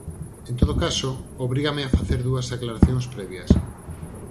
En todo caso, obrígame a facer dúas aclaracións previas.